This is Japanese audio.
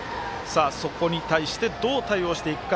そこに対してどう対応していくか。